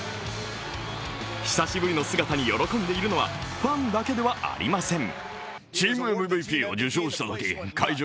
久しぶりの姿に喜んでいるのはファンだけではありません。